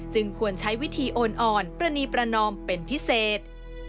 ควรใช้วิธีโอนอ่อนประณีประนอมเป็นพิเศษ